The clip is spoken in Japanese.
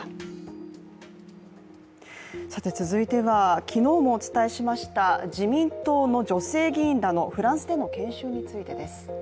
続いては昨日もお伝えしました自民党の女性議員らのフランスでの研修についてです。